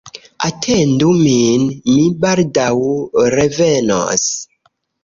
Atendu min, mi baldaŭ revenos.